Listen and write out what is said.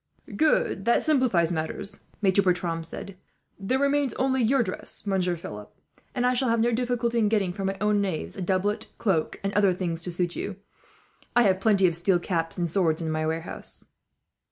"That simplifies matters," Maitre Bertram said. "There remains only your dress, Monsieur Philip; and I shall have no difficulty in getting, from my own knaves, a doublet, cloak, and other things to suit you. I have plenty of steel caps and swords, in my warehouse."